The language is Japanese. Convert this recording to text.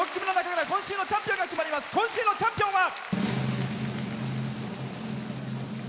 今週のチャンピオンは。